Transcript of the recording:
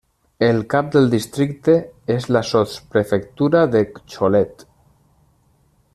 El cap del districte és la sotsprefectura de Cholet.